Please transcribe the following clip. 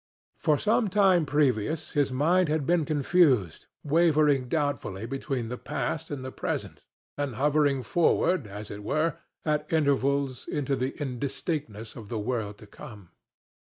For some time previous his mind had been confused, wavering doubtfully between the past and the present, and hovering forward, as it were, at intervals, into the indistinctness of the world to come.